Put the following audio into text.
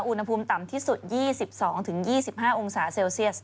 อุณหภูมิต่ำที่สุด๒๒๒๕องศาเซลเซียส